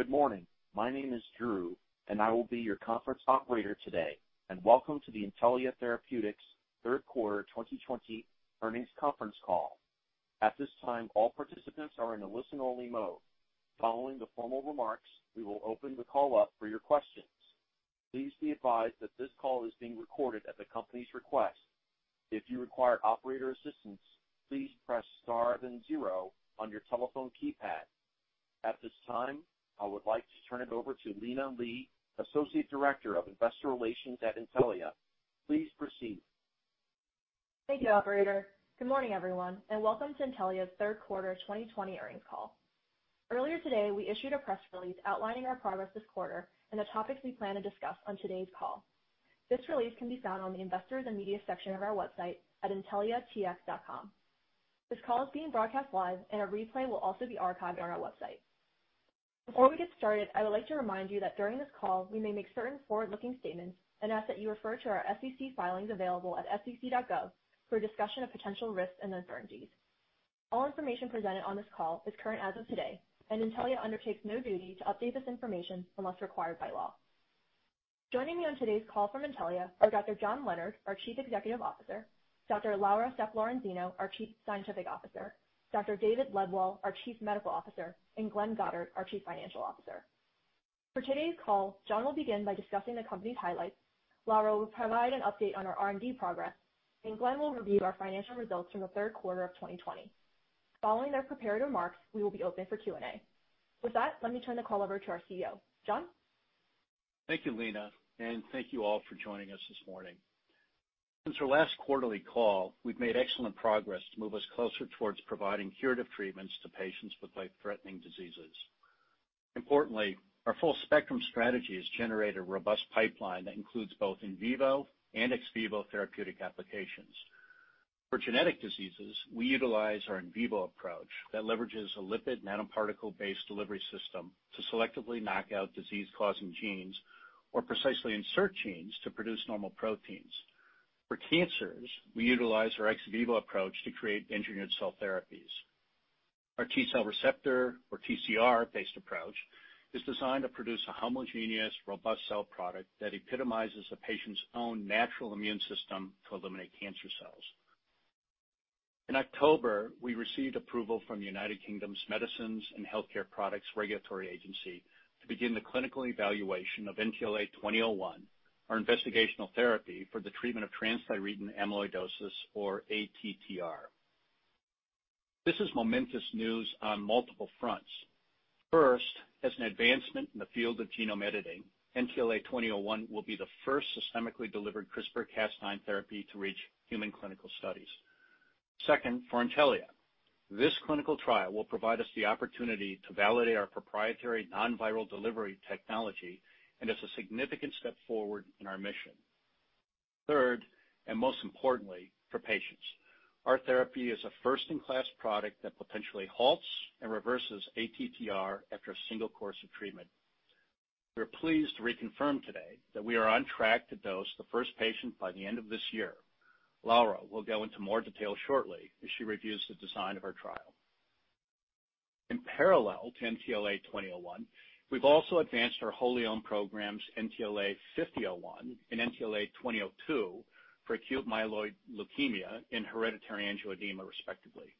Good morning. My name is Drew, and I will be your conference operator today, and welcome to the Intellia Therapeutics third quarter 2020 earnings conference call. At this time, all participants are in a listen-only mode. Following the formal remarks, we will open the call up for your questions. Please be advised that this call is being recorded at the company's request. If you require operator assistance, please press star then zero on your telephone keypad. At this time, I would like to turn it over to Lina Li, Associate Director of Investor Relations at Intellia. Please proceed. Thank you, operator. Good morning, everyone, and welcome to Intellia's third quarter 2020 earnings call. Earlier today, we issued a press release outlining our progress this quarter and the topics we plan to discuss on today's call. This release can be found on the Investors and Media section of our website at intelliatx.com. This call is being broadcast live, and a replay will also be archived on our website. Before we get started, I would like to remind you that during this call, we may make certain forward-looking statements and ask that you refer to our SEC filings available at sec.gov for a discussion of potential risks and uncertainties. All information presented on this call is current as of today, and Intellia undertakes no duty to update this information unless required by law. Joining me on today's call from Intellia are Dr. John Leonard, our Chief Executive Officer, Dr. Laura Sepp-Lorenzino, our Chief Scientific Officer, Dr. David Lebwohl, our Chief Medical Officer, and Glenn Goddard, our Chief Financial Officer. For today's call, John will begin by discussing the company's highlights, Laura will provide an update on our R&D progress, and Glenn will review our financial results from the third quarter of 2020. Following their prepared remarks, we will be open for Q&A. With that, let me turn the call over to our CEO. John? Thank you, Lina, and thank you all for joining us this morning. Since our last quarterly call, we've made excellent progress to move us closer towards providing curative treatments to patients with life-threatening diseases. Our full spectrum strategy has generated a robust pipeline that includes both in vivo and ex vivo therapeutic applications. For genetic diseases, we utilize our in vivo approach that leverages a lipid nanoparticle-based delivery system to selectively knock out disease-causing genes or precisely insert genes to produce normal proteins. For cancers, we utilize our ex vivo approach to create engineered cell therapies. Our T-cell receptor, or TCR-based approach, is designed to produce a homogeneous, robust cell product that epitomizes a patient's own natural immune system to eliminate cancer cells. In October, we received approval from the U.K.'s Medicines and Healthcare Products Regulatory Agency to begin the clinical evaluation of NTLA-2001, our investigational therapy for the treatment of transthyretin amyloidosis, or ATTR. This is momentous news on multiple fronts. First, as an advancement in the field of genome editing, NTLA-2001 will be the first systemically delivered CRISPR-Cas9 therapy to reach human clinical studies. Second, for Intellia, this clinical trial will provide us the opportunity to validate our proprietary non-viral delivery technology and is a significant step forward in our mission. Third, and most importantly for patients, our therapy is a first-in-class product that potentially halts and reverses ATTR after a single course of treatment. We're pleased to reconfirm today that we are on track to dose the first patient by the end of this year. Laura will go into more detail shortly as she reviews the design of our trial. In parallel to NTLA-2001, we've also advanced our wholly owned programs, NTLA-5001 and NTLA-2002 for acute myeloid leukemia and hereditary angioedema, respectively.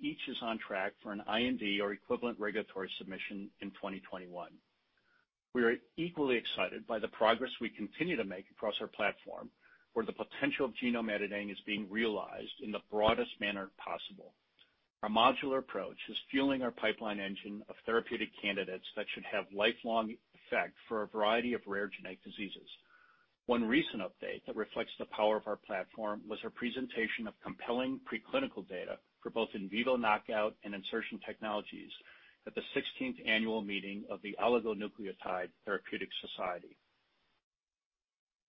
Each is on track for an IND or equivalent regulatory submission in 2021. We are equally excited by the progress we continue to make across our platform, where the potential of genome editing is being realized in the broadest manner possible. Our modular approach is fueling our pipeline engine of therapeutic candidates that should have lifelong effect for a variety of rare genetic diseases. One recent update that reflects the power of our platform was our presentation of compelling preclinical data for both in vivo knockout and insertion technologies at the 16th Annual Meeting of the Oligonucleotide Therapeutics Society.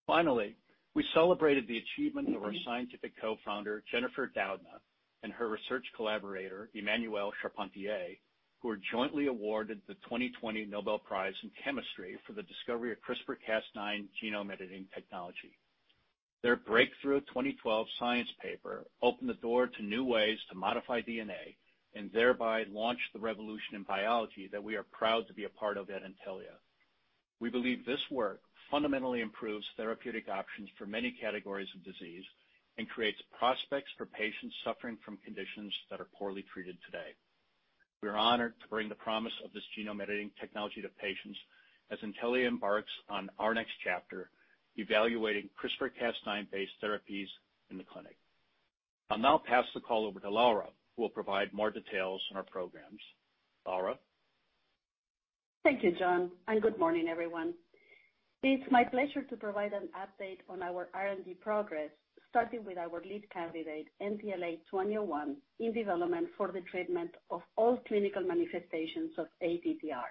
We celebrated the achievement of our scientific co-founder, Jennifer Doudna, and her research collaborator, Emmanuelle Charpentier, who were jointly awarded the 2020 Nobel Prize in Chemistry for the discovery of CRISPR-Cas9 genome editing technology. Their breakthrough 2012 science paper opened the door to new ways to modify DNA and thereby launched the revolution in biology that we are proud to be a part of at Intellia. We believe this work fundamentally improves therapeutic options for many categories of disease and creates prospects for patients suffering from conditions that are poorly treated today. We are honored to bring the promise of this genome editing technology to patients as Intellia embarks on our next chapter evaluating CRISPR-Cas9 based therapies in the clinic. I'll now pass the call over to Laura, who will provide more details on our programs. Laura? Thank you, John, and good morning, everyone. It's my pleasure to provide an update on our R&D progress, starting with our lead candidate, NTLA-2001, in development for the treatment of all clinical manifestations of ATTR.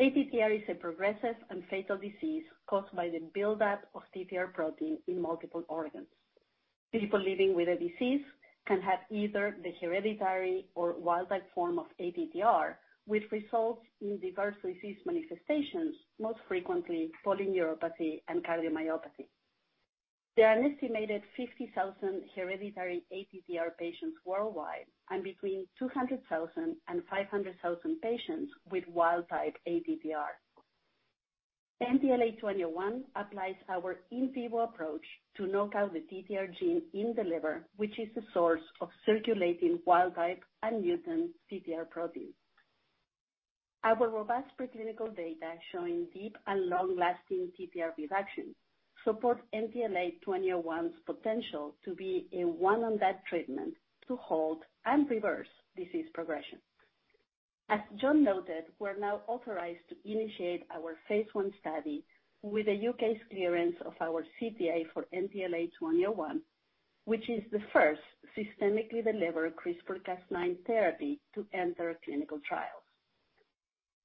ATTR is a progressive and fatal disease caused by the buildup of TTR protein in multiple organs. People living with the disease can have either the hereditary or wild-type form of ATTR, which results in diverse disease manifestations, most frequently polyneuropathy and cardiomyopathy. There are an estimated 50,000 hereditary ATTR patients worldwide, and between 200,000 and 500,000 patients with wild-type ATTR. NTLA-2001 applies our in vivo approach to knock out the TTR gene in the liver, which is the source of circulating wild type and mutant TTR proteins. Our robust preclinical data showing deep and long-lasting TTR reduction supports NTLA-2001's potential to be a one-and-done treatment to halt and reverse disease progression. As John noted, we're now authorized to initiate our phase I study with a U.K. clearance of our CTA for NTLA-2001, which is the first systemically delivered CRISPR-Cas9 therapy to enter clinical trials.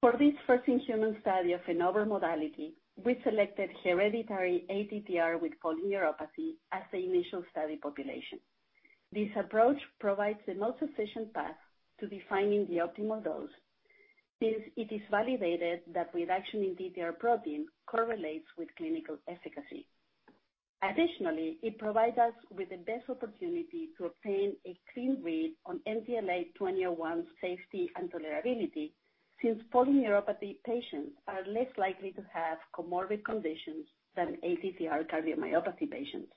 For this first-in-human study of a novel modality, we selected hereditary ATTR with polyneuropathy as the initial study population. This approach provides the most efficient path to defining the optimal dose, since it is validated that reduction in TTR protein correlates with clinical efficacy. Additionally, it provides us with the best opportunity to obtain a clean read on NTLA-2001's safety and tolerability, since polyneuropathy patients are less likely to have comorbid conditions than ATTR cardiomyopathy patients.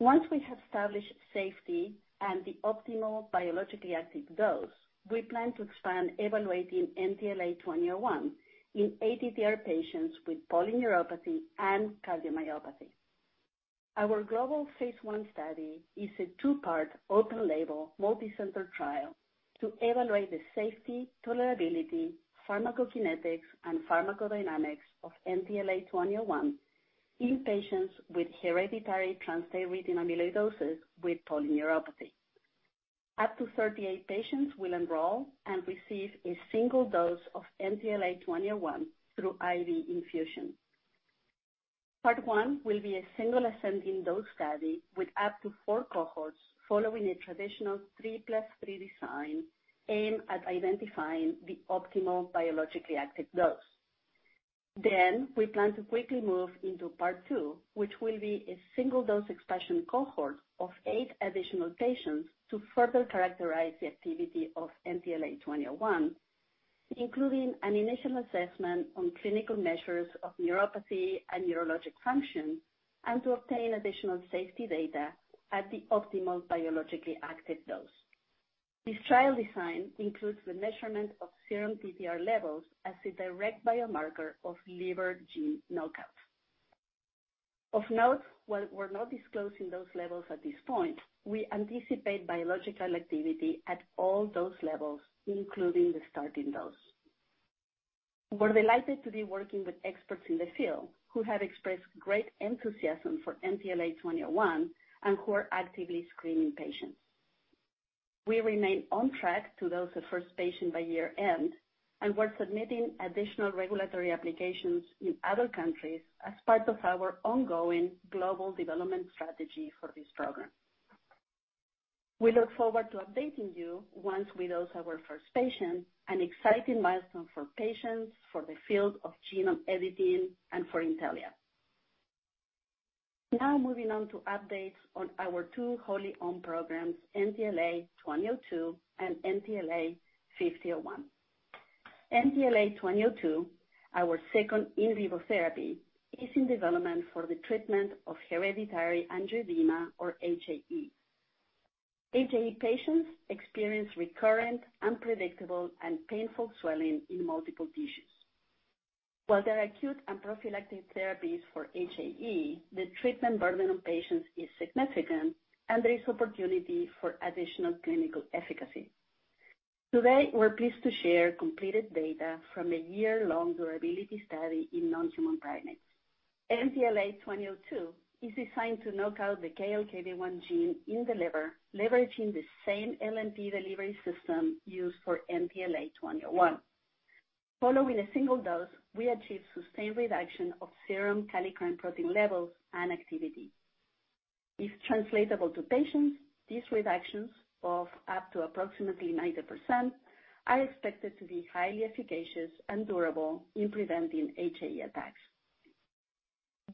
Once we have established safety and the optimal biologically active dose, we plan to expand evaluating NTLA-2001 in ATTR patients with polyneuropathy and cardiomyopathy. Our global phase I study is a two-part open-label multicenter trial to evaluate the safety, tolerability, pharmacokinetics, and pharmacodynamics of NTLA-2001 in patients with hereditary transthyretin amyloidosis with polyneuropathy. Up to 38 patients will enroll and receive a single dose of NTLA-2001 through IV infusion. Part one will be a single ascending dose study with up to four cohorts following a traditional three plus three design aimed at identifying the optimal biologically active dose. We plan to quickly move into part two, which will be a single dose expansion cohort of eight additional patients to further characterize the activity of NTLA-2001, including an initial assessment on clinical measures of neuropathy and neurologic function, and to obtain additional safety data at the optimal biologically active dose. This trial design includes the measurement of serum TTR levels as a direct biomarker of liver gene knockouts. Of note, while we're not disclosing those levels at this point, we anticipate biological activity at all those levels, including the starting dose. We're delighted to be working with experts in the field who have expressed great enthusiasm for NTLA-2001 and who are actively screening patients. We remain on track to dose the first patient by year-end, and we're submitting additional regulatory applications in other countries as part of our ongoing global development strategy for this program. We look forward to updating you once we dose our first patient, an exciting milestone for patients, for the field of genome editing, and for Intellia. Now moving on to updates on our two wholly owned programs, NTLA-2002 and NTLA-5001. NTLA-2002, our second in vivo therapy, is in development for the treatment of hereditary angioedema, or HAE. HAE patients experience recurrent, unpredictable, and painful swelling in multiple tissues. While there are acute and prophylactic therapies for HAE, the treatment burden on patients is significant and there is opportunity for additional clinical efficacy. Today, we're pleased to share completed data from a year-long durability study in non-human primates. NTLA-2002 is designed to knock out the KLKB1 gene in the liver, leveraging the same LNP delivery system used for NTLA-2001. Following a single dose, we achieved sustained reduction of serum kallikrein protein levels and activity. If translatable to patients, these reductions of up to approximately 90%, are expected to be highly efficacious and durable in preventing HAE attacks.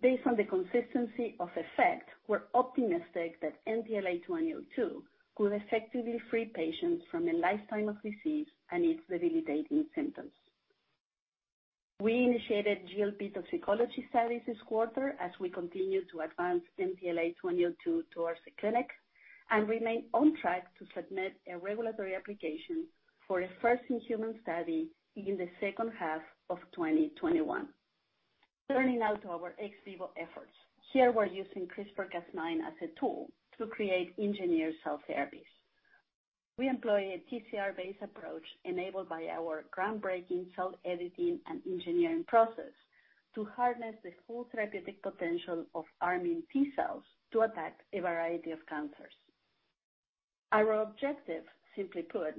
Based on the consistency of effect, we're optimistic that NTLA-2002 could effectively free patients from a lifetime of disease and its debilitating symptoms. We initiated GLP toxicology studies this quarter as we continue to advance NTLA-2002 towards the clinic, and remain on track to submit a regulatory application for a first-in-human study in the second half of 2021. Turning now to our ex vivo efforts. Here we're using CRISPR-Cas9 as a tool to create engineered cell therapies. We employ a TCR-based approach enabled by our groundbreaking cell editing and engineering process to harness the full therapeutic potential of arming T-cells to attack a variety of cancers. Our objective, simply put,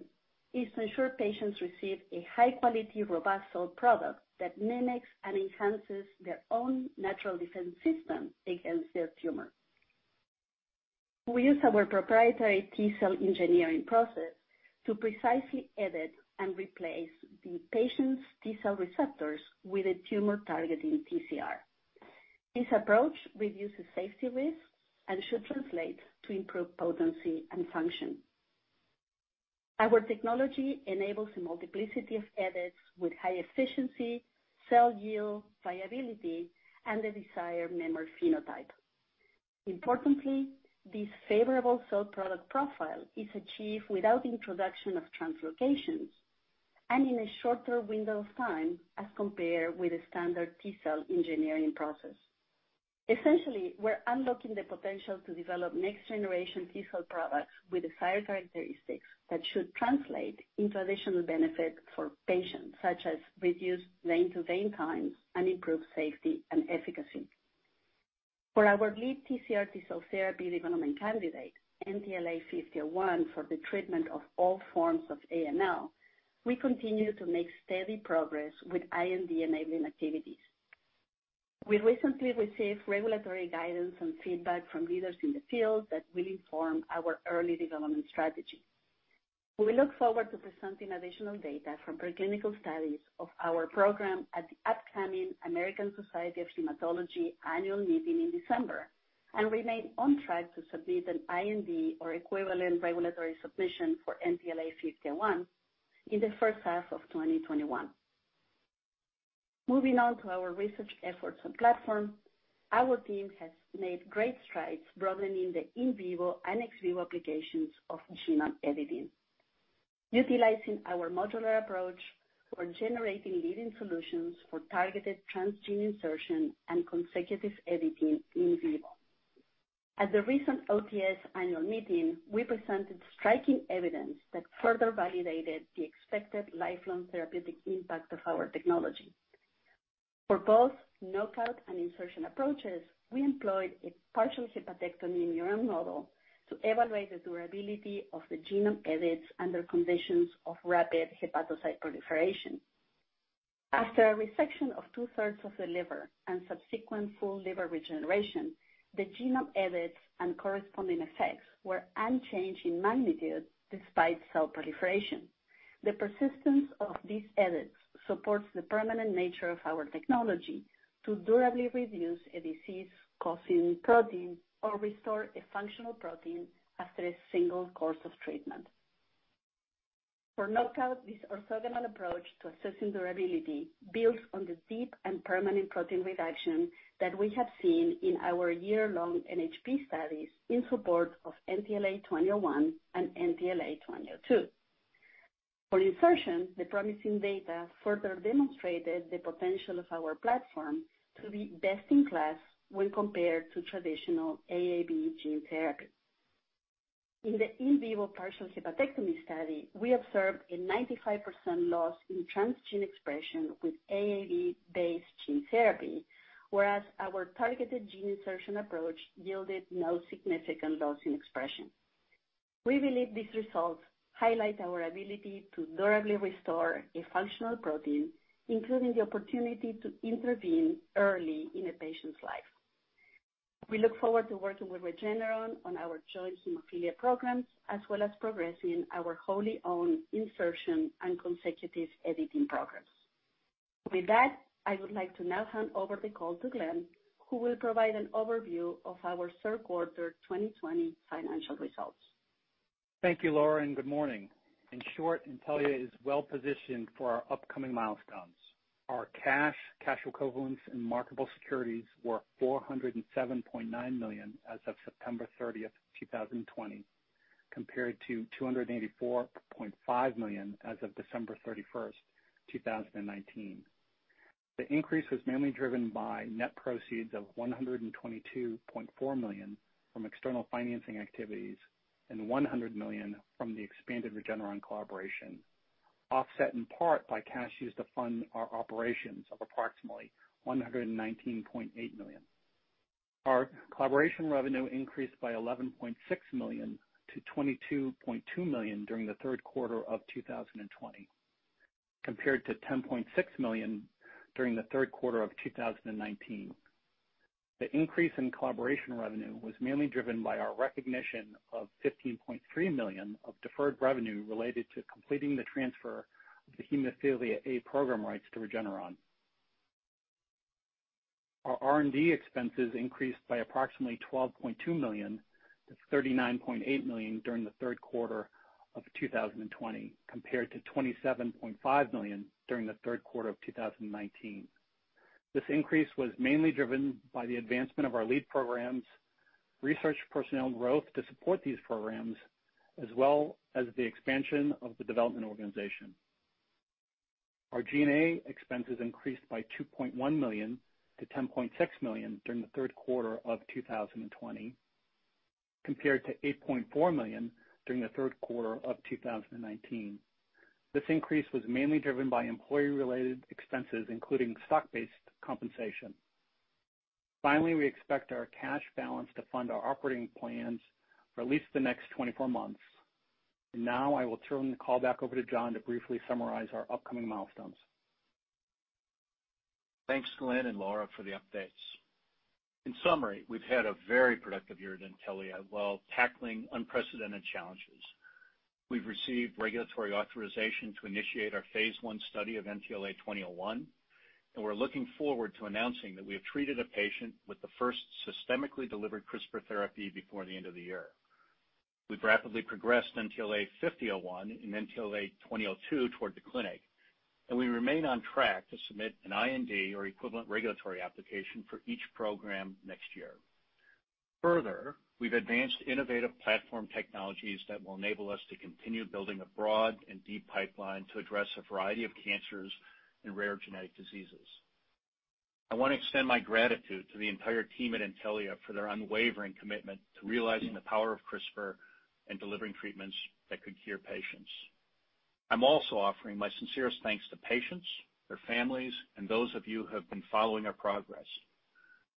is to ensure patients receive a high-quality, robust cell product that mimics and enhances their own natural defense system against their tumor. We use our proprietary T-cell engineering process to precisely edit and replace the patient's T-cell receptors with a tumor-targeting TCR. This approach reduces safety risks and should translate to improved potency and function. Our technology enables a multiplicity of edits with high efficiency, cell yield, viability, and the desired memory phenotype. Importantly, this favorable cell product profile is achieved without introduction of translocations and in a shorter window of time as compared with a standard T-cell engineering process. Essentially, we're unlocking the potential to develop next generation T-cell products with desired characteristics that should translate into additional benefit for patients, such as reduced vein to vein times and improved safety and efficacy. For our lead TCR T-cell therapy development candidate, NTLA-501, for the treatment of all forms of AML, we continue to make steady progress with IND-enabling activities. We recently received regulatory guidance and feedback from leaders in the field that will inform our early development strategy. We look forward to presenting additional data from preclinical studies of our program at the upcoming American Society of Hematology annual meeting in December and remain on track to submit an IND or equivalent regulatory submission for NTLA-501 in the first half of 2021. Moving on to our research efforts on platform, our team has made great strides broadening the in vivo and ex vivo applications of genome editing. Utilizing our modular approach, we're generating leading solutions for targeted transgene insertion and consecutive editing in vivo. At the recent OTS annual meeting, we presented striking evidence that further validated the expected lifelong therapeutic impact of our technology. For both knockout and insertion approaches, we employed a partial hepatectomy in murine model to evaluate the durability of the genome edits under conditions of rapid hepatocyte proliferation. After a resection of two-thirds of the liver and subsequent full liver regeneration, the genome edits and corresponding effects were unchanged in magnitude despite cell proliferation. The persistence of these edits supports the permanent nature of our technology to durably reduce a disease-causing protein or restore a functional protein after a single course of treatment. For knockout, this orthogonal approach to assessing durability builds on the deep and permanent protein reduction that we have seen in our year-long NHP studies in support of NTLA-201 and NTLA-202. For insertion, the promising data further demonstrated the potential of our platform to be best in class when compared to traditional AAV gene therapy. In the in vivo partial hepatectomy study, we observed a 95% loss in transgene expression with AAV-based gene therapy, whereas our targeted gene insertion approach yielded no significant loss in expression. We believe these results highlight our ability to durably restore a functional protein, including the opportunity to intervene early in a patient's life. We look forward to working with Regeneron on our joint hemophilia programs, as well as progressing our wholly-owned insertion and consecutive editing programs. With that, I would like to now hand over the call to Glenn, who will provide an overview of our third quarter 2020 financial results. Thank you, Laura, good morning. In short, Intellia is well positioned for our upcoming milestones. Our cash equivalents, and marketable securities were $407.9 million as of September 30th, 2020, compared to $284.5 million as of December 31st, 2019. The increase was mainly driven by net proceeds of $122.4 million from external financing activities and $100 million from the expanded Regeneron collaboration, offset in part by cash used to fund our operations of approximately $119.8 million. Our collaboration revenue increased by $11.6 million to $22.2 million during the third quarter of 2020, compared to $10.6 million during the third quarter of 2019. The increase in collaboration revenue was mainly driven by our recognition of $15.3 million of deferred revenue related to completing the transfer of the hemophilia A program rights to Regeneron. Our R&D expenses increased by approximately $12.2 million to $39.8 million during the third quarter of 2020, compared to $27.5 million during the third quarter of 2019. This increase was mainly driven by the advancement of our lead programs, research personnel growth to support these programs, as well as the expansion of the development organization. Our G&A expenses increased by $2.1 million to $10.6 million during the third quarter of 2020, compared to $8.4 million during the third quarter of 2019. This increase was mainly driven by employee-related expenses, including stock-based compensation. Finally, we expect our cash balance to fund our operating plans for at least the next 24 months. I will turn the call back over to John to briefly summarize our upcoming milestones. Thanks, Glenn and Laura, for the updates. In summary, we've had a very productive year at Intellia while tackling unprecedented challenges. We've received regulatory authorization to initiate our phase I study of NTLA-2001. We're looking forward to announcing that we have treated a patient with the first systemically delivered CRISPR therapy before the end of the year. We've rapidly progressed NTLA-5001 and NTLA-2002 toward the clinic. We remain on track to submit an IND or equivalent regulatory application for each program next year. We've advanced innovative platform technologies that will enable us to continue building a broad and deep pipeline to address a variety of cancers and rare genetic diseases. I want to extend my gratitude to the entire team at Intellia for their unwavering commitment to realizing the power of CRISPR and delivering treatments that could cure patients. I'm also offering my sincerest thanks to patients, their families, and those of you who have been following our progress.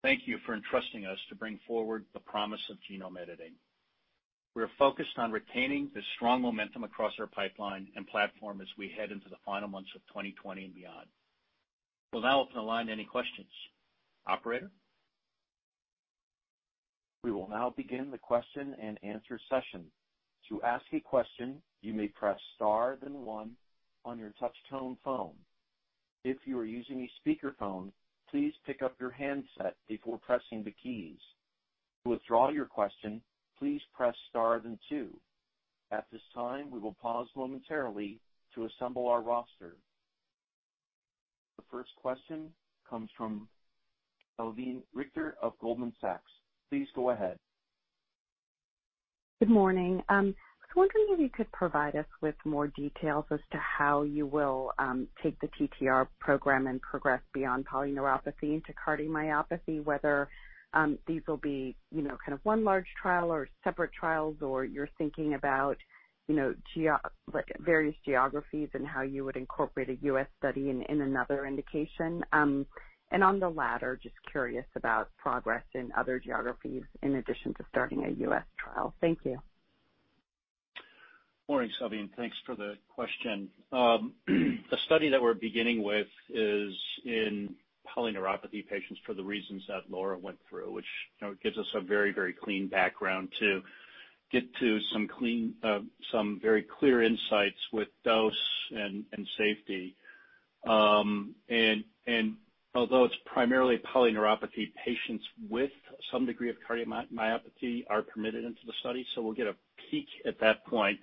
Thank you for entrusting us to bring forward the promise of genome editing. We're focused on retaining the strong momentum across our pipeline and platform as we head into the final months of 2020 and beyond. We'll now open the line to any questions. Operator? We will now begin the question and answer session. To ask a question, you may press star, then one on your touchtone phone. If you are using a speakerphone, please pick up your handset before pressing the keys. To withdraw your question, please press star then two. At this time, we will pause momentarily to assemble our roster. The first question comes from Salveen Richter of Goldman Sachs. Please go ahead. Good morning. I was wondering if you could provide us with more details as to how you will take the TTR program and progress beyond polyneuropathy into cardiomyopathy, whether these will be one large trial or separate trials, or you're thinking about various geographies and how you would incorporate a U.S. study in another indication. On the latter, just curious about progress in other geographies in addition to starting a U.S. trial. Thank you. Morning, Salveen. Thanks for the question. The study that we're beginning with is in polyneuropathy patients for the reasons that Laura went through, which gives us a very clean background to get to some very clear insights with dose and safety. Although it's primarily polyneuropathy patients with some degree of cardiomyopathy are permitted into the study, so we'll get a peek at that point.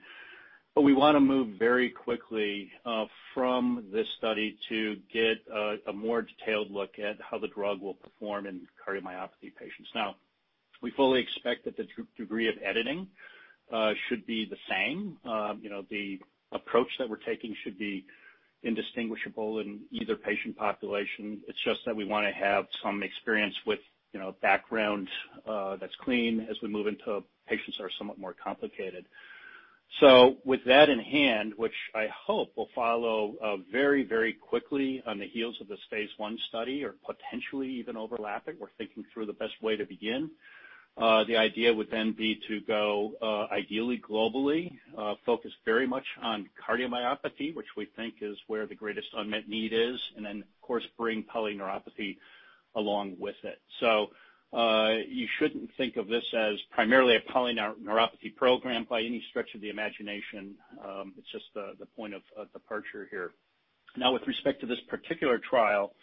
We want to move very quickly from this study to get a more detailed look at how the drug will perform in cardiomyopathy patients. Now, we fully expect that the degree of editing should be the same. The approach that we're taking should be indistinguishable in either patient population. It's just that we want to have some experience with background that's clean as we move into patients that are somewhat more complicated. With that in hand, which I hope will follow very quickly on the heels of this phase I study or potentially even overlap it, we're thinking through the best way to begin. The idea would then be to go ideally globally, focus very much on cardiomyopathy, which we think is where the greatest unmet need is, of course, bring polyneuropathy along with it. You shouldn't think of this as primarily a polyneuropathy program by any stretch of the imagination. It's just the point of departure here. With respect to this particular trial,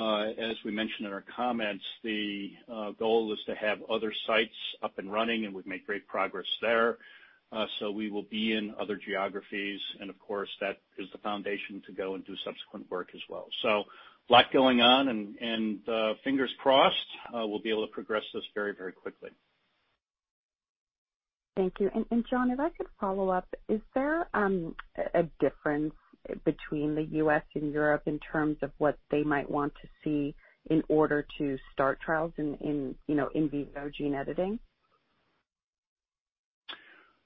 as we mentioned in our comments, the goal is to have other sites up and running, and we've made great progress there. We will be in other geographies, and of course, that is the foundation to go and do subsequent work as well. A lot going on and fingers crossed we'll be able to progress this very quickly. Thank you. John, if I could follow up, is there a difference between the U.S. and Europe in terms of what they might want to see in order to start trials in in vivo gene editing?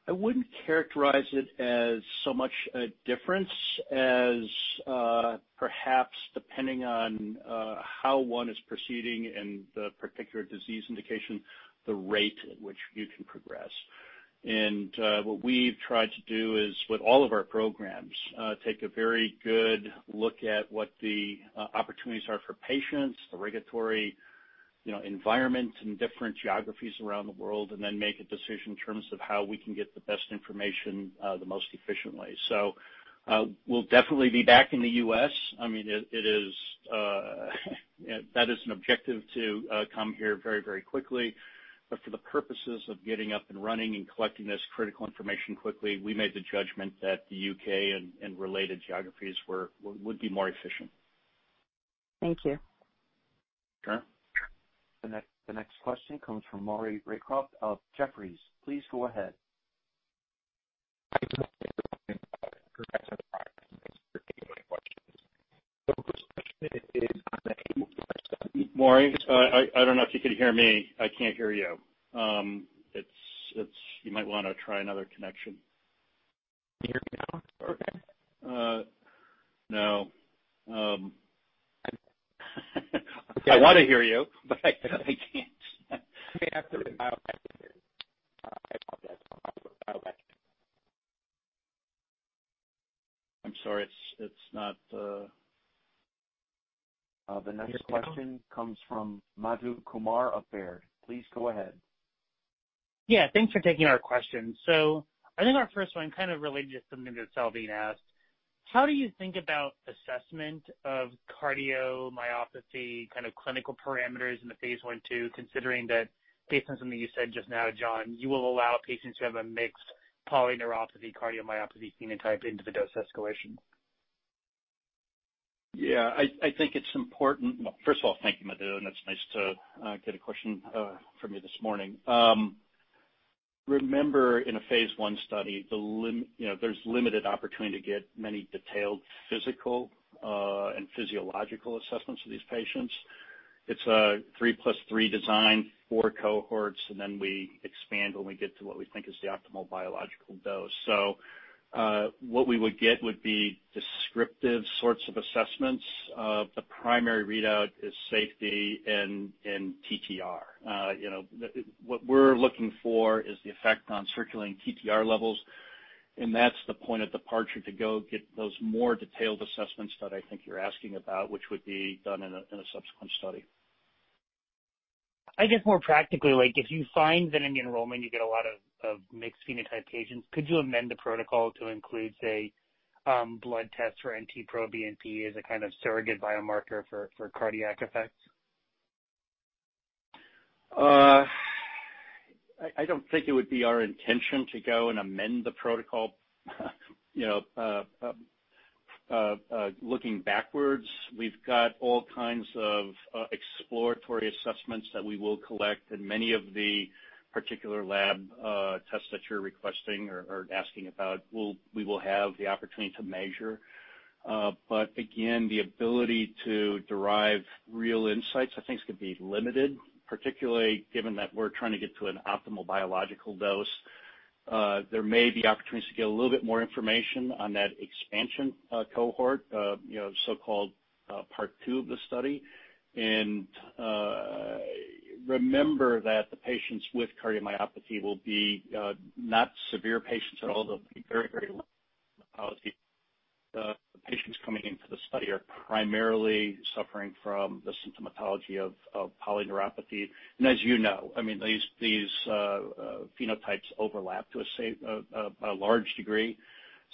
I wouldn't characterize it as so much a difference as perhaps depending on how one is proceeding in the particular disease indication, the rate at which you can progress. What we've tried to do is, with all of our programs, take a very good look at what the opportunities are for patients, the regulatory environments in different geographies around the world, and then make a decision in terms of how we can get the best information the most efficiently. We'll definitely be back in the U.S. That is an objective to come here very quickly, but for the purposes of getting up and running and collecting this critical information quickly, we made the judgment that the U.K. and related geographies would be more efficient. Thank you. Sure. The next question comes from Maury Raycroft of Jefferies. Please go ahead. Maury, I don't know if you can hear me. I can't hear you. You might want to try another connection. Can you hear me now? Okay. No. I want to hear you, but I can't. I'm sorry. The next question comes from Madhu Kumar of Baird. Please go ahead. Yeah, thanks for taking our question. I think our first one kind of related to something that Salveen asked. How do you think about assessment of cardiomyopathy, kind of clinical parameters in the phase I-II, considering that based on something you said just now, John, you will allow patients who have a mixed polyneuropathy cardiomyopathy phenotype into the dose escalation? I think it's important. Well, first of all, thank you, Madhu, and it's nice to get a question from you this morning. Remember, in a phase I study, there's limited opportunity to get many detailed physical and physiological assessments of these patients. It's a three plus three design, four cohorts, and then we expand when we get to what we think is the optimal biological dose. What we would get would be descriptive sorts of assessments. The primary readout is safety and TTR. What we're looking for is the effect on circulating TTR levels, and that's the point of departure to go get those more detailed assessments that I think you're asking about, which would be done in a subsequent study. I guess more practically, like if you find that in the enrollment you get a lot of mixed phenotype patients, could you amend the protocol to include, say, blood tests for NT-proBNP as a kind of surrogate biomarker for cardiac effects? I don't think it would be our intention to go and amend the protocol. Looking backwards, we've got all kinds of exploratory assessments that we will collect, and many of the particular lab tests that you're requesting or asking about, we will have the opportunity to measure. Again, the ability to derive real insights, I think, is going to be limited, particularly given that we're trying to get to an optimal biological dose. There may be opportunities to get a little bit more information on that expansion cohort of so-called part 2 of the study. Remember that the patients with cardiomyopathy will be not severe patients at all. They'll be very low. The patients coming into the study are primarily suffering from the symptomatology of polyneuropathy. As you know, these phenotypes overlap to a large degree.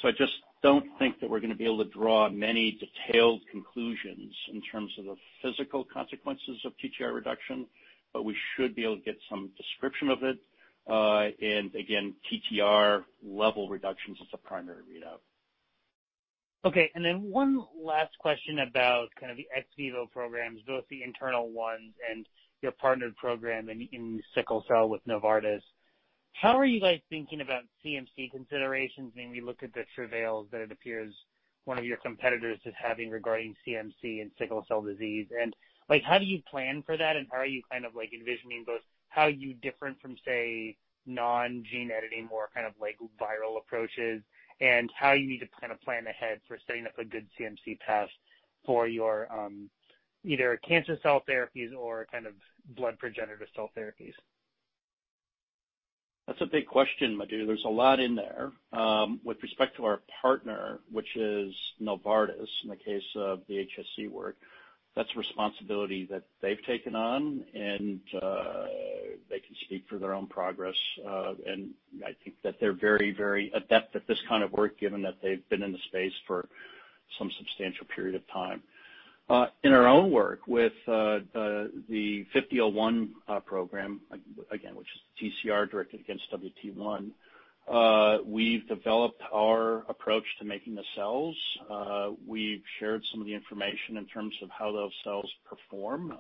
I just don't think that we're going to be able to draw many detailed conclusions in terms of the physical consequences of TTR reduction, but we should be able to get some description of it. Again, TTR level reductions is the primary readout. Okay. One last question about the ex vivo programs, both the internal ones and your partnered program in sickle cell with Novartis. How are you guys thinking about CMC considerations when you look at the travails that it appears one of your competitors is having regarding CMC and sickle cell disease? How do you plan for that, and how are you envisioning both how you different from, say, non-gene editing or viral approaches and how you need to plan ahead for setting up a good CMC path for your either cancer cell therapies or blood progenitor cell therapies? That's a big question, Madhu. There's a lot in there. With respect to our partner, which is Novartis, in the case of the HSC work, that's a responsibility that they've taken on and they can speak for their own progress. I think that they're very adept at this kind of work, given that they've been in the space for some substantial period of time. In our own work with the 5001 program, again, which is TCR directed against WT1, we've developed our approach to making the cells. We've shared some of the information in terms of how those cells perform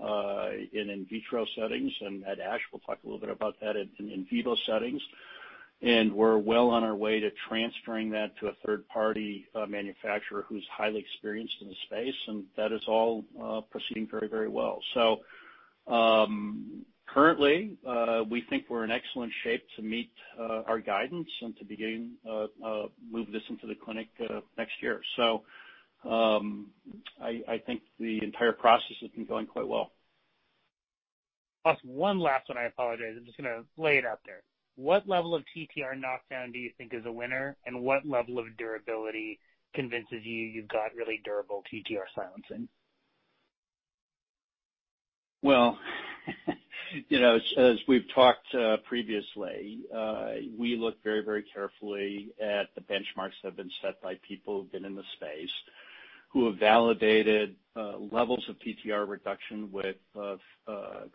in in vitro settings. At ASH, we'll talk a little bit about that in in vivo settings. We're well on our way to transferring that to a third-party manufacturer who's highly experienced in the space, and that is all proceeding very well. Currently, we think we're in excellent shape to meet our guidance and to begin move this into the clinic next year. I think the entire process has been going quite well. Plus one last one. I apologize. I'm just going to lay it out there. What level of TTR knockdown do you think is a winner, and what level of durability convinces you you've got really durable TTR silencing? Well as we've talked previously, we look very carefully at the benchmarks that have been set by people who've been in the space, who have validated levels of TTR reduction with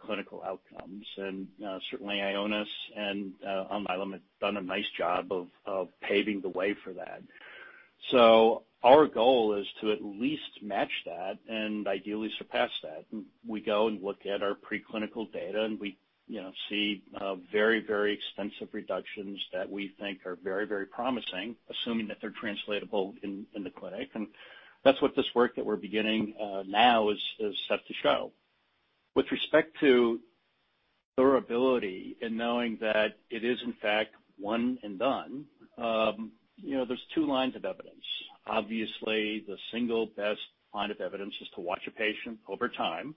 clinical outcomes. Certainly Ionis and Alnylam have done a nice job of paving the way for that. Our goal is to at least match that and ideally surpass that. We go and look at our preclinical data and we see very extensive reductions that we think are very promising, assuming that they're translatable in the clinic. That's what this work that we're beginning now is set to show. With respect to durability and knowing that it is in fact one and done, there's two lines of evidence. Obviously, the single best line of evidence is to watch a patient over time.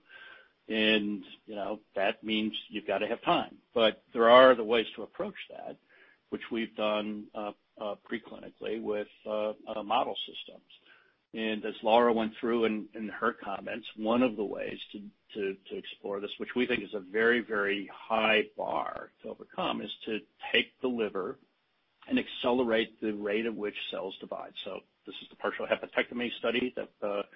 That means you've got to have time, but there are other ways to approach that, which we've done pre-clinically with model systems. As Laura went through in her comments, one of the ways to explore this, which we think is a very, very high bar to overcome, is to take the liver and accelerate the rate at which cells divide. This is the partial hepatectomy study that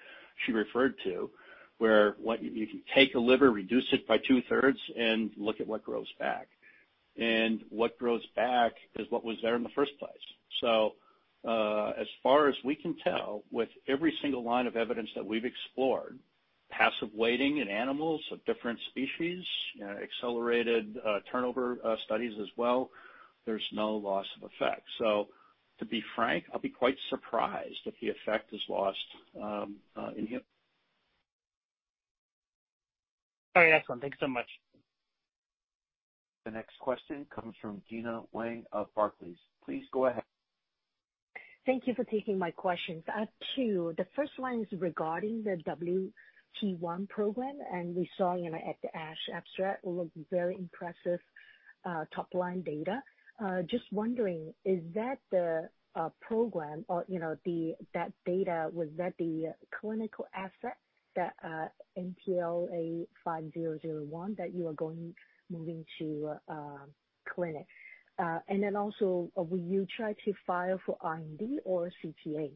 she referred to, where you can take a liver, reduce it by two-thirds, and look at what grows back. What grows back is what was there in the first place. As far as we can tell, with every single line of evidence that we've explored, passive waiting in animals of different species, accelerated turnover studies as well, there's no loss of effect. To be frank, I'll be quite surprised if the effect is lost in here. All right. Excellent. Thank you so much. The next question comes from Gena Wang of Barclays. Please go ahead. Thank you for taking my questions. I have two. The first one is regarding the WT1 program. We saw at the ASH abstract, looked very impressive top-line data. Just wondering, is that the program or that data, was that the clinical asset, that NTLA-5001 that you are moving to clinic? Also, will you try to file for IND or CTA?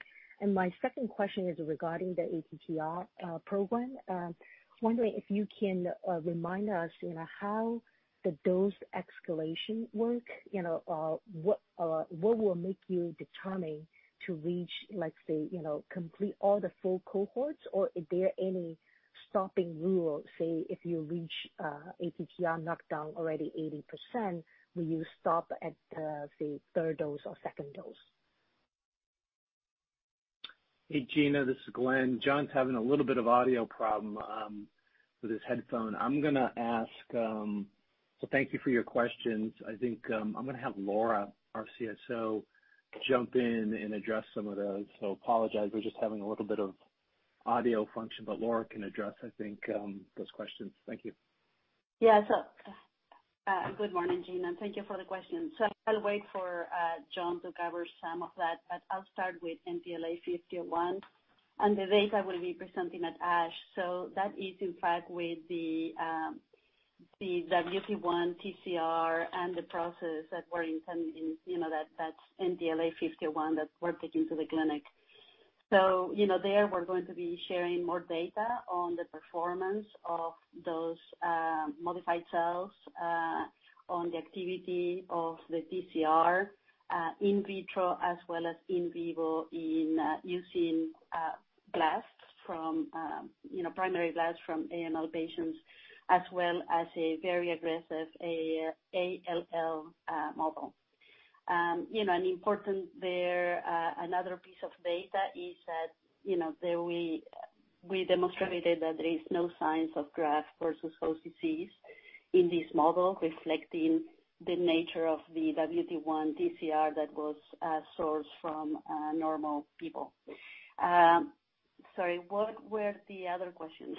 My second question is regarding the ATTR program. Wondering if you can remind us how the dose escalation work, what will make you determine to reach, let's say, complete all the full cohorts? Are there any stopping rules, say, if you reach ATTR knockdown already 80%, will you stop at the third dose or second dose? Hey, Gena, this is Glenn. John's having a little bit of audio problem with his headphone. Thank you for your questions. I think I'm going to have Laura, our CSO, jump in and address some of those. Apologize, we're just having a little bit of audio function, but Laura can address, I think, those questions. Thank you. Yeah. Good morning, Gena, and thank you for the question. I'll wait for John to cover some of that, but I'll start with NTLA-5001 and the data we'll be presenting at ASH. That is in fact with the WT1 TCR and the process that we're intending, that NTLA-5001 that we're taking to the clinic. There we're going to be sharing more data on the performance of those modified cells, on the activity of the TCR in vitro as well as in vivo in using primary blasts from AML patients as well as a very aggressive ALL model. Important there, another piece of data is that we demonstrated that there is no signs of graft versus host disease in this model, reflecting the nature of the WT1 TCR that was sourced from normal people. Sorry, what were the other questions?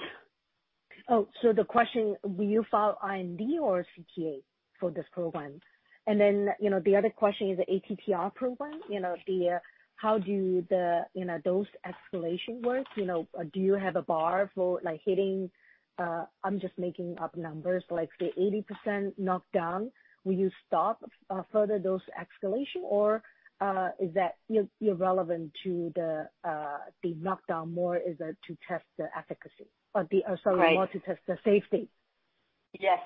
The question, will you file IND or CTA for this program? The other question is the ATTR program, how do the dose escalation work? Do you have a bar for hitting, I'm just making up numbers, like say 80% knockdown, will you stop further dose escalation or is that irrelevant to the knockdown? More is that to test the efficacy or the? Right Sorry, more to test the safety? Yes.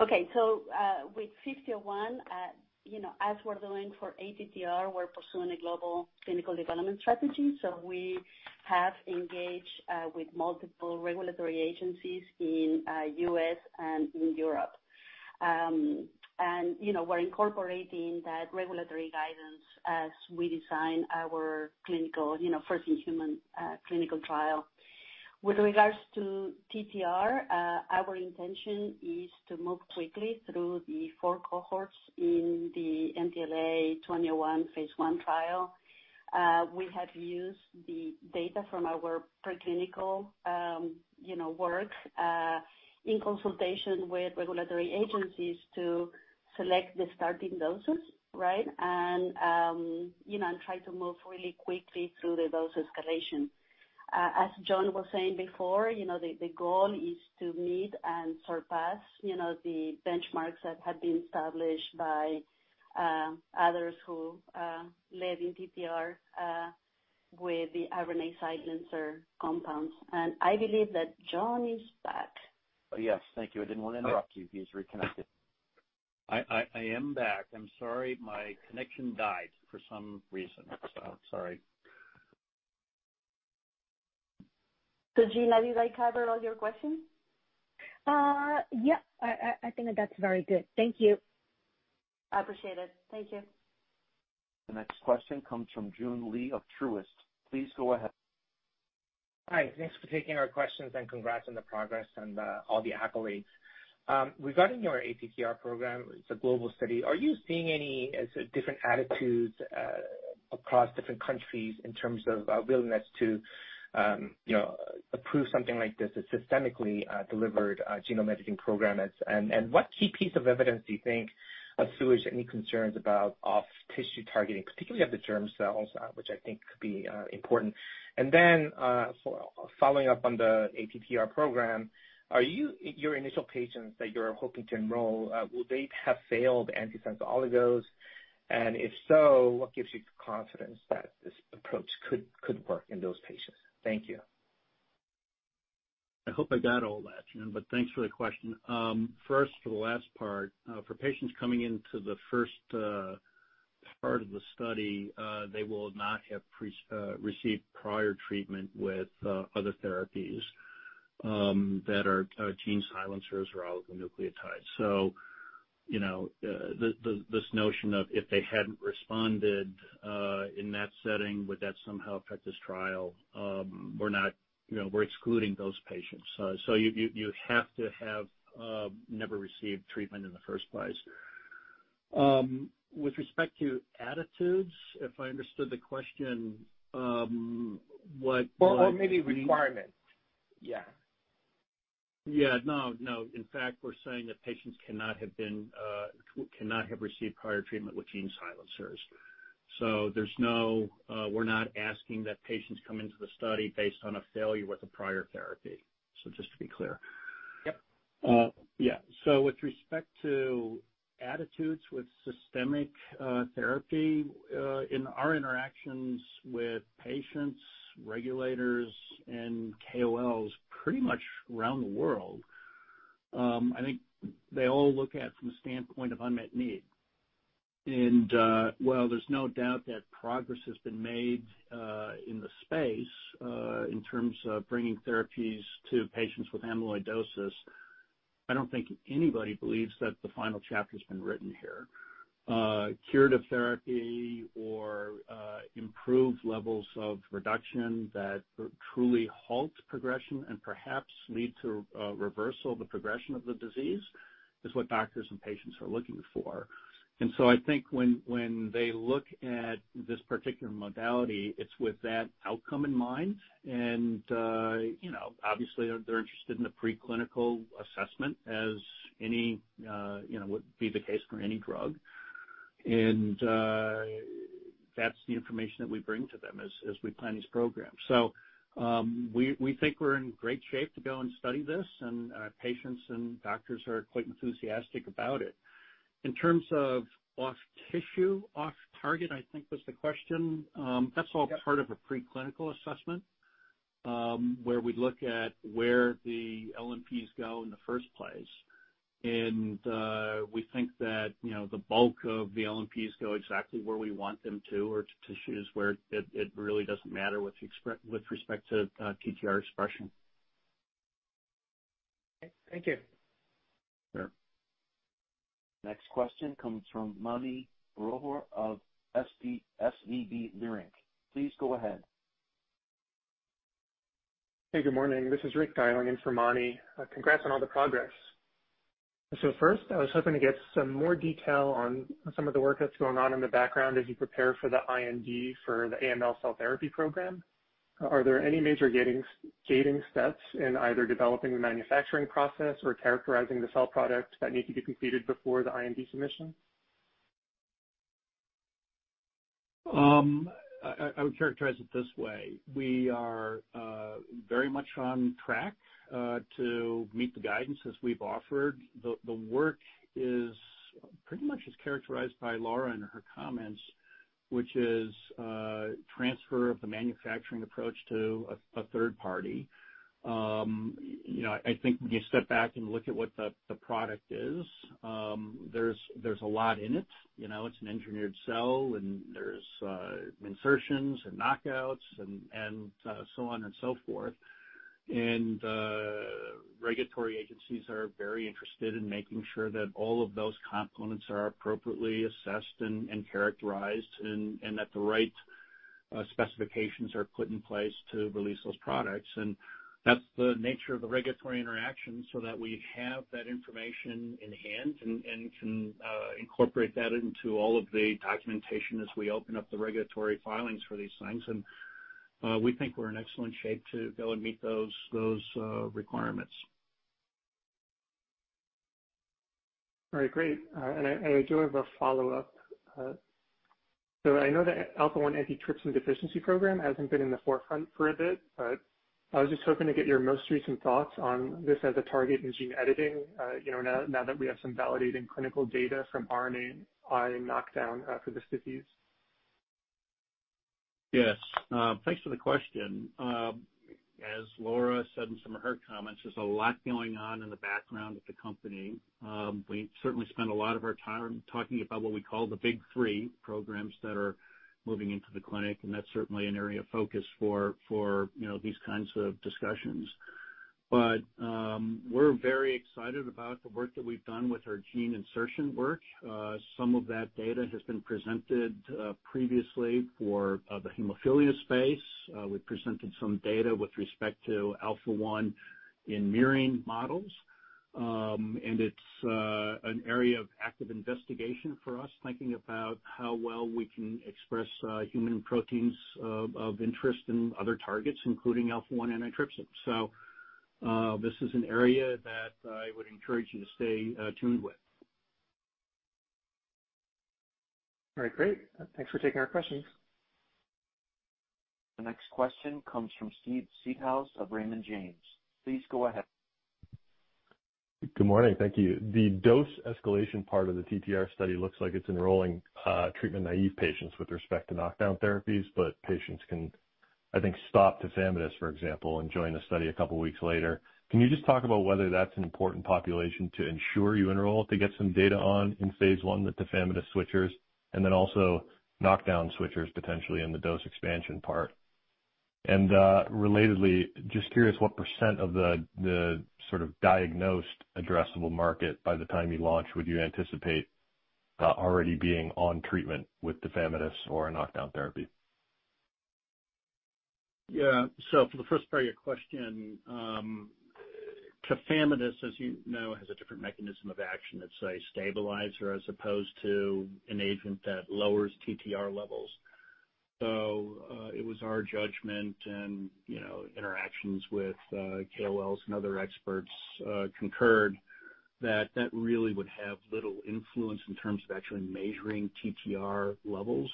Okay. With 5001, as we're doing for ATTR, we're pursuing a global clinical development strategy. We have engaged with multiple regulatory agencies in the U.S. and in Europe. We're incorporating that regulatory guidance as we design our first-in-human clinical trial. With regards to TTR, our intention is to move quickly through the four cohorts in the NTLA-2001 phase I trial. We have used the data from our preclinical work in consultation with regulatory agencies to select the starting doses, right? Try to move really quickly through the dose escalation. As John was saying before, the goal is to meet and surpass the benchmarks that have been established by others who led in TTR with the RNA silencer compounds. I believe that John is back. Yes. Thank you. I didn't want to interrupt you. He's reconnected. I am back. I'm sorry. My connection died for some reason, so sorry. Gena, did I cover all your questions? Yeah. I think that's very good. Thank you. I appreciate it. Thank you. The next question comes from Joon Lee of Truist. Please go ahead. Hi. Thanks for taking our questions, and congrats on the progress and all the accolades. Regarding your ATTR program, it's a global study. Are you seeing any different attitudes across different countries in terms of a willingness to approve something like this, a systemically delivered genome editing program? What key piece of evidence do you think assuage any concerns about off-tissue targeting, particularly of the germ cells, which I think could be important? Following up on the ATTR program, your initial patients that you're hoping to enroll, will they have failed antisense oligos? If so, what gives you confidence that this approach could work in those patients? Thank you. I hope I got all that in. Thanks for the question. First, for the last part, for patients coming into the first part of the study, they will not have received prior treatment with other therapies that are gene silencers or oligonucleotides. This notion of if they hadn't responded in that setting, would that somehow affect this trial? We're excluding those patients. You have to have never received treatment in the first place. With respect to ATTR, if I understood the question what- Maybe requirements. Yeah. Yeah. No. In fact, we're saying that patients cannot have received prior treatment with gene silencers. We're not asking that patients come into the study based on a failure with a prior therapy. Just to be clear. Yep. With respect to attitudes with systemic therapy, in our interactions with patients, regulators, and KOLs pretty much around the world, I think they all look at it from the standpoint of unmet need. While there's no doubt that progress has been made in the space in terms of bringing therapies to patients with amyloidosis, I don't think anybody believes that the final chapter's been written here. Curative therapy or improved levels of reduction that truly halt progression and perhaps lead to a reversal of the progression of the disease is what doctors and patients are looking for. I think when they look at this particular modality, it's with that outcome in mind, and obviously they're interested in the preclinical assessment as would be the case for any drug. That's the information that we bring to them as we plan these programs. We think we're in great shape to go and study this, and patients and doctors are quite enthusiastic about it. In terms of off tissue, off target, I think was the question. Yep. That's all part of a preclinical assessment, where we look at where the LNPs go in the first place. We think that the bulk of the LNPs go exactly where we want them to, or to tissues where it really doesn't matter with respect to TTR expression. Okay. Thank you. Sure. Next question comes from Mani Foroohar of SVB Leerink. Please go ahead. Hey, good morning. This is Rick dialing in for Mani. Congrats on all the progress. First, I was hoping to get some more detail on some of the work that's going on in the background as you prepare for the IND for the AML cell therapy program. Are there any major gating steps in either developing the manufacturing process or characterizing the cell product that need to be completed before the IND submission? I would characterize it this way. We are very much on track to meet the guidance as we've offered. The work pretty much is characterized by Laura and her comments, which is transfer of the manufacturing approach to a third party. I think when you step back and look at what the product is, there's a lot in it. It's an engineered cell and there's insertions and knockouts and so on and so forth. Regulatory agencies are very interested in making sure that all of those components are appropriately assessed and characterized and that the right specifications are put in place to release those products. That's the nature of the regulatory interaction so that we have that information in hand and can incorporate that into all of the documentation as we open up the regulatory filings for these things. We think we're in excellent shape to go and meet those requirements. All right, great. I do have a follow-up. I know the Alpha-1 Antitrypsin Deficiency Program hasn't been in the forefront for a bit, but I was just hoping to get your most recent thoughts on this as a target in gene editing now that we have some validating clinical data from RNAi knockdown for this disease. Yes. Thanks for the question. As Laura said in some of her comments, there's a lot going on in the background at the company. We certainly spend a lot of our time talking about what we call the big three programs that are moving into the clinic, and that's certainly an area of focus for these kinds of discussions. We're very excited about the work that we've done with our gene insertion work. Some of that data has been presented previously for the hemophilia space. We've presented some data with respect to Alpha-1 in mirroring models. It's an area of active investigation for us, thinking about how well we can express human proteins of interest in other targets, including Alpha-1 antitrypsin. This is an area that I would encourage you to stay tuned with. All right, great. Thanks for taking our questions. The next question comes from Steve Seedhouse of Raymond James. Please go ahead. Good morning. Thank you. The dose escalation part of the TTR study looks like it's enrolling treatment-naive patients with respect to knockdown therapies, but patients can, I think, stop tafamidis, for example, and join the study a couple of weeks later. Can you just talk about whether that's an important population to ensure you enroll to get some data on in phase I, the tafamidis switchers, and then also knockdown switchers, potentially, in the dose expansion part? Relatedly, just curious what % of the sort of diagnosed addressable market by the time you launch would you anticipate already being on treatment with tafamidis or a knockdown therapy? Yeah. For the first part of your question, tafamidis, as you know, has a different mechanism of action. It's a stabilizer as opposed to an agent that lowers TTR levels. It was our judgment, and interactions with KOLs and other experts concurred, that that really would have little influence in terms of actually measuring TTR levels.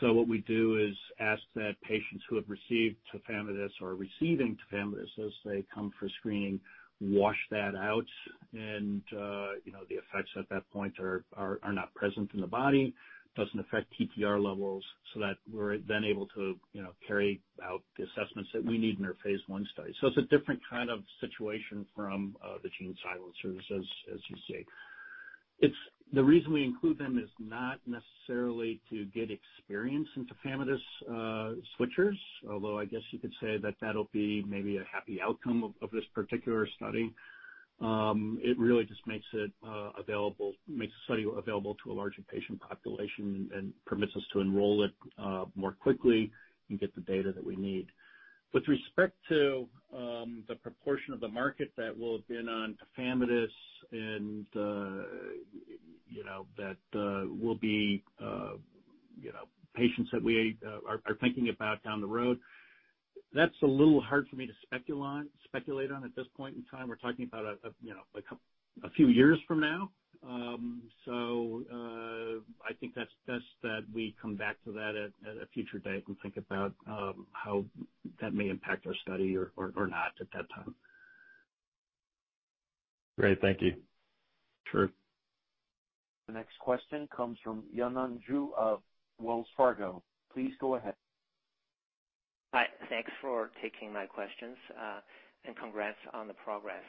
What we do is ask that patients who have received tafamidis or are receiving tafamidis as they come for screening, wash that out and the effects at that point are not present in the body, doesn't affect TTR levels, so that we're then able to carry out the assessments that we need in our phase I study. It's a different kind of situation from the gene silencers, as you say. The reason we include them is not necessarily to get experience in tafamidis switchers, although I guess you could say that that'll be maybe a happy outcome of this particular study. It really just makes the study available to a larger patient population and permits us to enroll it more quickly and get the data that we need. With respect to the proportion of the market that will have been on tafamidis and that will be patients that we are thinking about down the road, that's a little hard for me to speculate on at this point in time. We're talking about a few years from now. I think that's best that we come back to that at a future date and think about how that may impact our study or not at that time. Great. Thank you. Sure. The next question comes from Yanan Zhu of Wells Fargo. Please go ahead. Hi. Thanks for taking my questions, and congrats on the progress.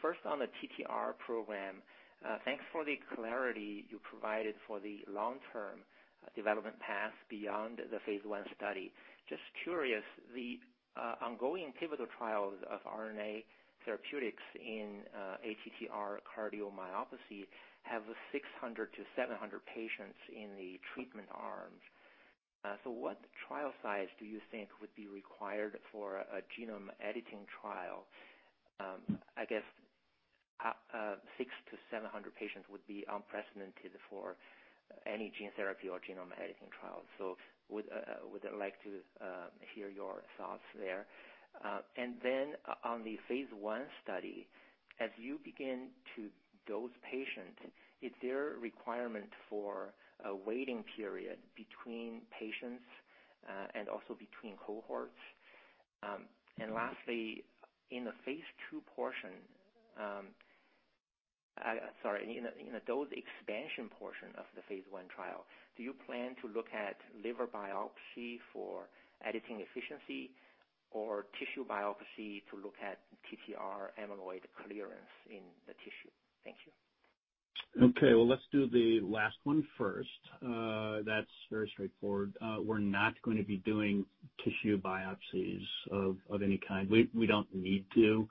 First, on the TTR program, thanks for the clarity you provided for the long-term development path beyond the phase I study. Just curious, the ongoing pivotal trials of RNA therapeutics in ATTR cardiomyopathy have 600-700 patients in the treatment arms. I guess 600-700 patients would be unprecedented for any gene therapy or genome editing trial. Would like to hear your thoughts there. On the phase I study, as you begin to dose patients, is there a requirement for a waiting period between patients, and also between cohorts? Lastly, sorry, in the dose expansion portion of the phase I trial, do you plan to look at liver biopsy for editing efficiency or tissue biopsy to look at TTR amyloid clearance in the tissue? Thank you. Okay, well, let's do the last one first. That's very straightforward. We're not going to be doing tissue biopsies of any kind. We don't need to.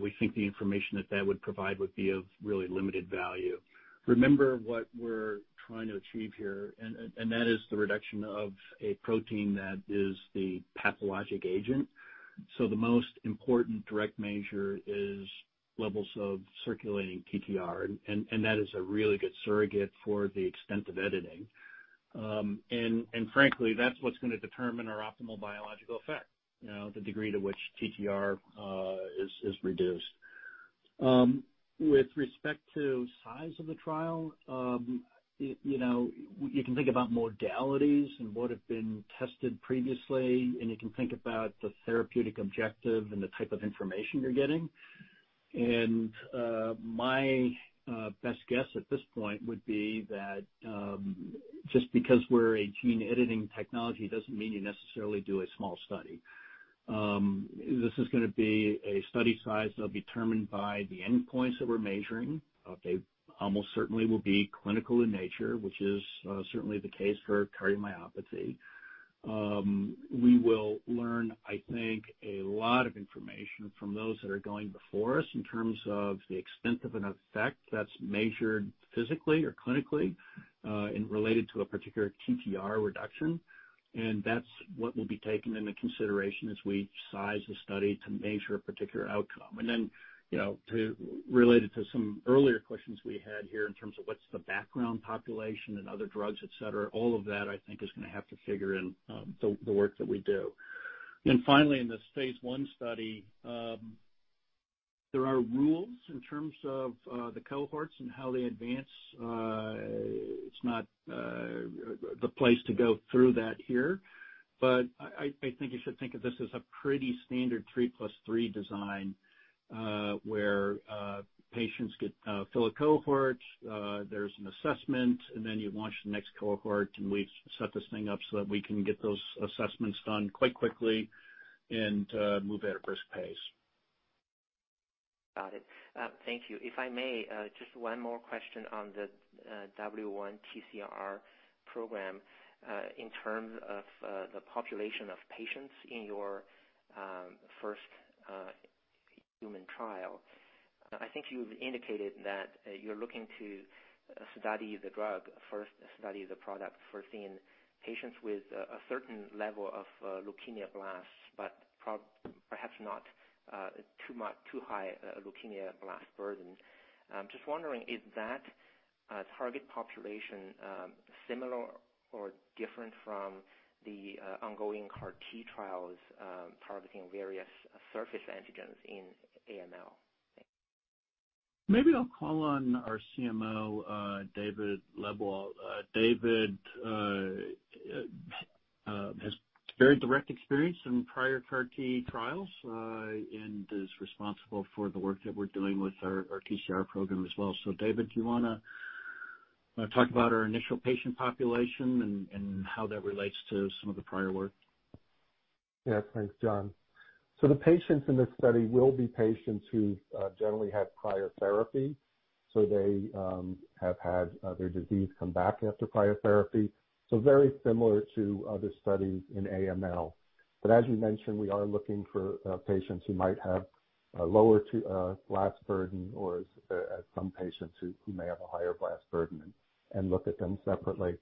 We think the information that that would provide would be of really limited value. Remember what we're trying to achieve here, and that is the reduction of a protein that is the pathologic agent. The most important direct measure is levels of circulating TTR, and that is a really good surrogate for the extent of editing. Frankly, that's what's going to determine our optimal biological effect, the degree to which TTR is reduced. With respect to size of the trial, you can think about modalities and what have been tested previously, and you can think about the therapeutic objective and the type of information you're getting. My best guess at this point would be that just because we're a gene-editing technology doesn't mean you necessarily do a small study. This is going to be a study size that'll be determined by the endpoints that we're measuring. They almost certainly will be clinical in nature, which is certainly the case for cardiomyopathy. We will learn, I think, a lot of information from those that are going before us in terms of the extent of an effect that's measured physically or clinically, and related to a particular TCR reduction. That's what will be taken into consideration as we size the study to measure a particular outcome. Then, related to some earlier questions we had here in terms of what's the background population and other drugs, et cetera, all of that, I think, is going to have to figure in the work that we do. Finally, in the phase I study, there are rules in terms of the cohorts and how they advance. It's not the place to go through that here. I think you should think of this as a pretty standard three plus three design, where patients fill a cohort, there's an assessment, and then you launch the next cohort, and we set this thing up so that we can get those assessments done quite quickly and move at a brisk pace. Got it. Thank you. If I may, just one more question on the WT1 TCR program. In terms of the population of patients in your first human trial, I think you've indicated that you're looking to study the drug first, study the product first in patients with a certain level of leukemia blast, but perhaps not too high a leukemia blast burden. I'm just wondering, is that target population similar or different from the ongoing CAR T trials targeting various surface antigens in AML? Maybe I'll call on our CMO, David Lebwohl. David has very direct experience in prior CAR T trials and is responsible for the work that we're doing with our TCR program as well. David, do you want to talk about our initial patient population and how that relates to some of the prior work? Yes, thanks, John. The patients in this study will be patients who generally had prior therapy, so they have had their disease come back after prior therapy. Very similar to other studies in AML. As we mentioned, we are looking for patients who might have a lower blast burden or some patients who may have a higher blast burden and look at them separately.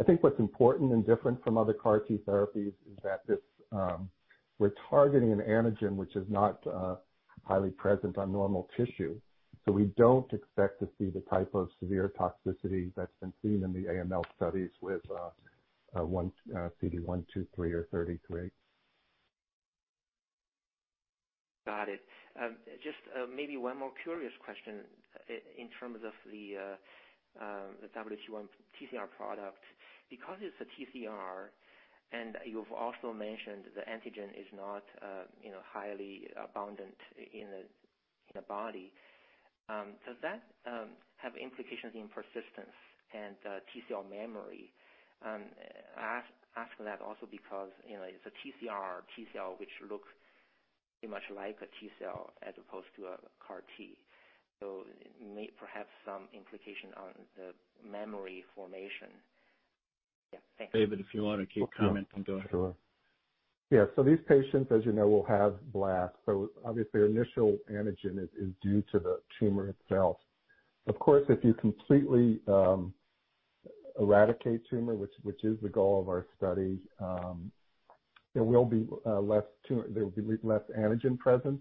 I think what's important and different from other CAR T therapies is that we're targeting an antigen which is not highly present on normal tissue. We don't expect to see the type of severe toxicity that's been seen in the AML studies with CD123 or CD33. Got it. Just maybe one more curious question in terms of the WT1 TCR product. Because it's a TCR and you've also mentioned the antigen is not highly abundant in the body, does that have implications in persistence and TCR memory? I ask that also because it's a TCR, T cell, which looks pretty much like a T cell as opposed to a CAR T. It may perhaps have some implication on the memory formation. Yeah. Thanks. David, if you want to keep commenting, go ahead. Sure. Yeah. These patients, as you know, will have blasts. Obviously their initial antigen is due to the tumor itself. Of course, if you completely eradicate tumor, which is the goal of our study, there will be less antigen present.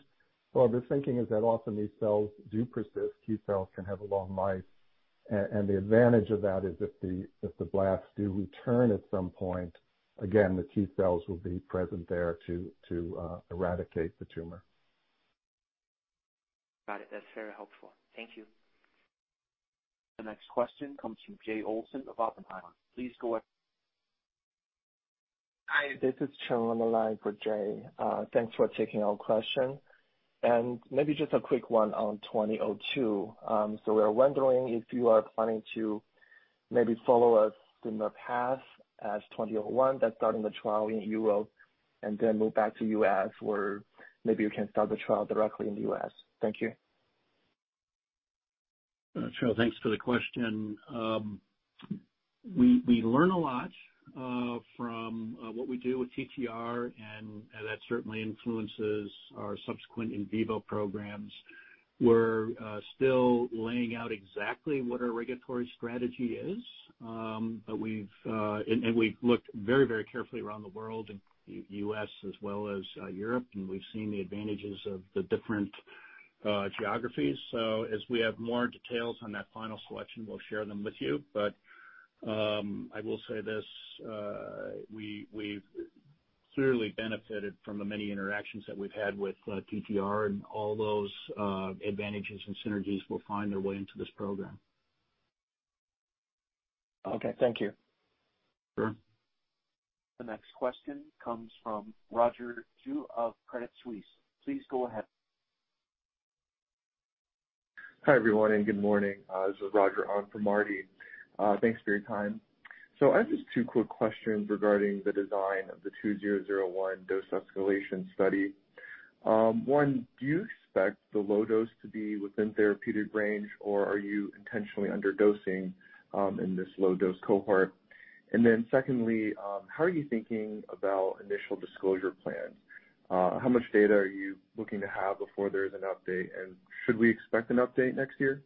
The thinking is that often these cells do persist. T cells can have a long life, and the advantage of that is if the blasts do return at some point, again, the T cells will be present there to eradicate the tumor. Got it. That's very helpful. Thank you. The next question comes from Jay Olson of Oppenheimer. Please go ahead. Hi, this is Chen on the line for Jay. Thanks for taking our question. Maybe just a quick one on NTLA-2002. We're wondering if you are planning to maybe follow us in the path as NTLA-2001 that's starting the trial in Europe and then move back to U.S., or maybe you can start the trial directly in the U.S. Thank you. Chen, thanks for the question. We learn a lot from what we do with TTR. That certainly influences our subsequent in vivo programs. We're still laying out exactly what our regulatory strategy is. We've looked very carefully around the world, in U.S. as well as Europe. We've seen the advantages of the different geographies. As we have more details on that final selection, we'll share them with you. I will say this, we've clearly benefited from the many interactions that we've had with TTR and all those advantages and synergies will find their way into this program. Okay, thank you. Sure. The next question comes from Roger Xu of Credit Suisse. Please go ahead. Hi, everyone, good morning. This is Roger on for Marty. Thanks for your time. I have just two quick questions regarding the design of the 2001 dose escalation study. One, do you expect the low dose to be within therapeutic range, or are you intentionally under-dosing in this low-dose cohort? Secondly, how are you thinking about initial disclosure plans? How much data are you looking to have before there's an update, and should we expect an update next year?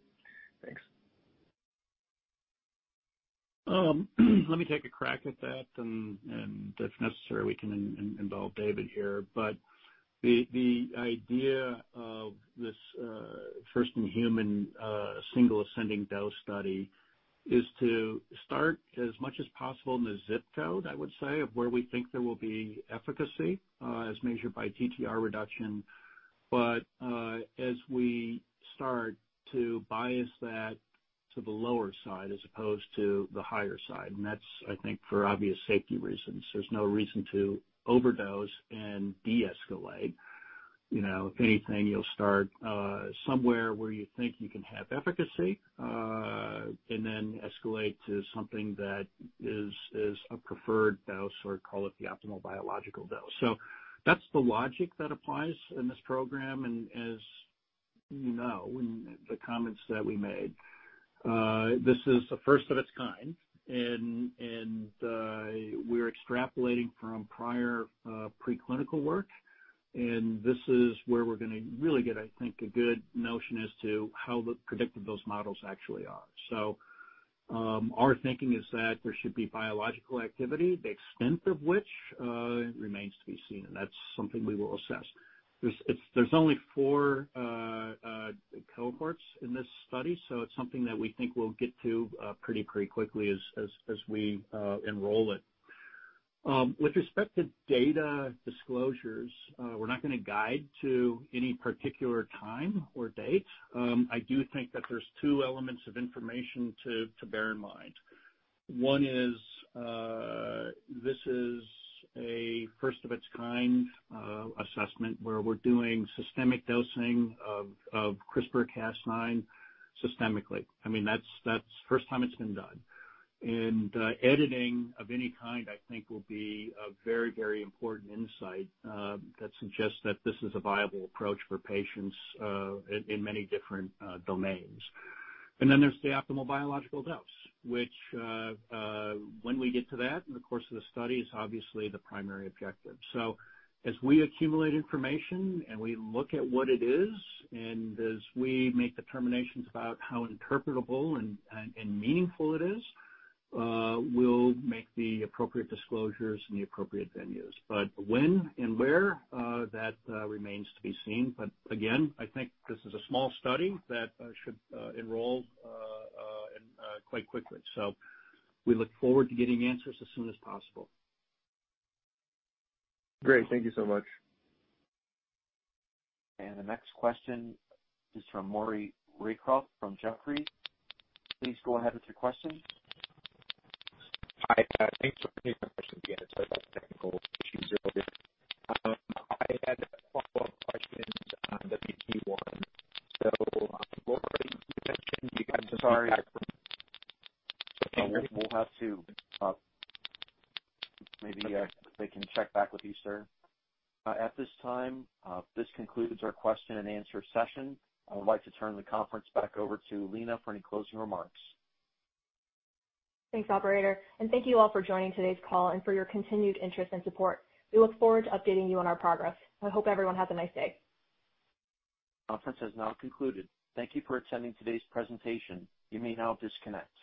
Thanks. Let me take a crack at that, and if necessary, we can involve David here. The idea of this first-in-human single ascending dose study is to start as much as possible in the zip code, I would say, of where we think there will be efficacy as measured by TTR reduction. As we start to bias that to the lower side as opposed to the higher side, and that's, I think, for obvious safety reasons. There's no reason to overdose and deescalate. If anything, you'll start somewhere where you think you can have efficacy, and then escalate to something that is a preferred dose or call it the optimal biological dose. That's the logic that applies in this program, and as you know, the comments that we made. This is the first of its kind, and we're extrapolating from prior preclinical work, and this is where we're going to really get, I think, a good notion as to how predictive those models actually are. Our thinking is that there should be biological activity, the extent of which remains to be seen, and that's something we will assess. There's only 4 cohorts in this study, so it's something that we think we'll get to pretty quickly as we enroll it. With respect to data disclosures, we're not going to guide to any particular time or date. I do think that there's two elements of information to bear in mind. One is, this is a first-of-its-kind assessment where we're doing systemic dosing of CRISPR-Cas9 systemically. That's first time it's been done. Editing of any kind, I think, will be a very important insight that suggests that this is a viable approach for patients in many different domains. Then there's the optimal biological dose, which, when we get to that in the course of the study, is obviously the primary objective. As we accumulate information and we look at what it is, and as we make determinations about how interpretable and meaningful it is, we'll make the appropriate disclosures in the appropriate venues. When and where, that remains to be seen. Again, I think this is a small study that should enroll quite quickly. We look forward to getting answers as soon as possible. Great. Thank you so much. The next question is from Maury Raycroft from Jefferies. Please go ahead with your question. Hi. Thanks for taking my question again. Sorry about the technical issues earlier. I had a follow-up question on WT1. Laura, you mentioned you got some feedback from- Sorry. We'll have to follow up. Maybe they can check back with you, sir. At this time, this concludes our question and answer session. I would like to turn the conference back over to Lina for any closing remarks. Thanks, operator, and thank you all for joining today's call and for your continued interest and support. We look forward to updating you on our progress. I hope everyone has a nice day. Conference has now concluded. Thank you for attending today's presentation. You may now disconnect.